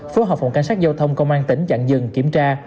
phối hợp phòng cảnh sát giao thông công an tỉnh chặn dừng kiểm tra